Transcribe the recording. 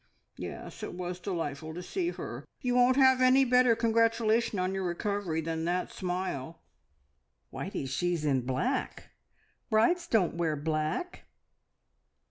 Yes, it was delightful to see her. You won't have any better congratulation on your recovery than that smile!" "Whitey, she is in black! Brides don't wear black."